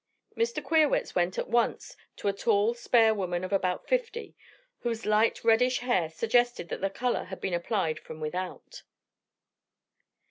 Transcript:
Mr. Queerwitz went at once to a tall, spare woman of about fifty whose light, reddish hair suggested that the color had been applied from without.